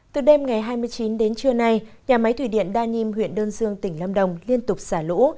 từ đêm ngày hai mươi chín đến trưa nay nhà máy thủy điện đa nhiêm huyện đơn dương tỉnh lâm đồng liên tục xả lũ